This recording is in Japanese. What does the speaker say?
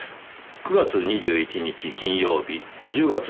９月２１日金曜日１０月２日火曜日。